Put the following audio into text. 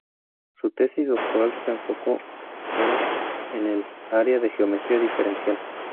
Su tesis doctoral se enfocó era en el área de geometría diferencial.